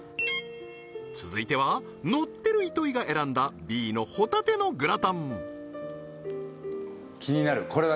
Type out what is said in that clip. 続いてはノってる糸井が選んだＢのホタテのグラタン